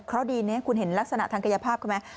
เพราะดีนะคุณเห็นลักษณะทางกายภาพเขาไหม